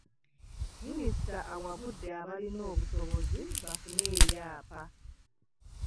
Minisita awabudde abalina obusobozi bafune ebyapa.